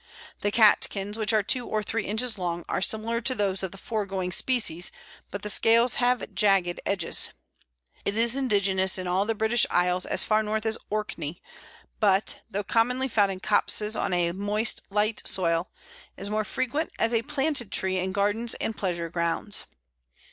The catkins, which are two or three inches long, are similar to those of the foregoing species, but the scales have jagged edges. It is indigenous in all the British Islands as far north as Orkney, but, though commonly found in copses on a moist light soil, is more frequent as a planted tree in gardens and pleasure grounds.